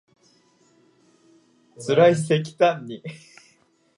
つらいせきたんに